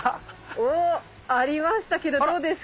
おっありましたけどどうですかね？